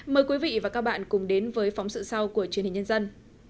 mời quý vị và các bạn cùng đến với phóng sự sau của truyền hình nhân dân